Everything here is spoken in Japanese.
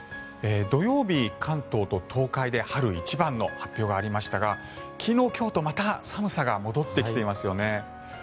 土曜日、関東と東海で春一番の発表がありましたが昨日、今日とまた寒さが戻ってきていますよね。